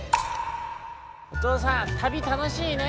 「おとうさん旅たのしいね」。